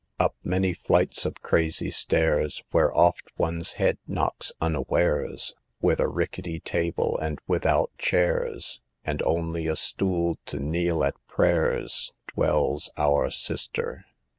Up many flights of crazy stairs, Where oft one's head knocks unawares, With a rickety table, and without chairs, And only a stool to kneel at prayers Dwells our Sister.